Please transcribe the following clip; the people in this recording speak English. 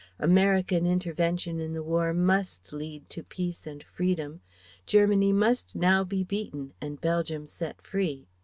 American intervention in the war must lead to Peace and Freedom. Germany must now be beaten and Belgium set free.